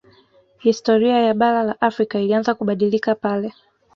Historia ya bara la Afrika ilianza kubadilika pale